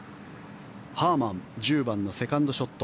ハーマン１０番のセカンドショット。